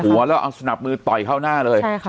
หัวแล้วเอาสนับมือต่อยเข้าหน้าเลย